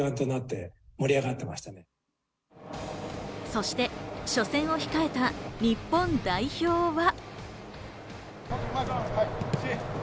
そして初戦を控えた日本代表は。